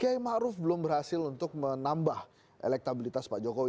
kayaknya pak maruf belum berhasil untuk menambah elektabilitas pak jokowi